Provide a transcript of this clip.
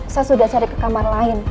saya sudah cari ke kamar lain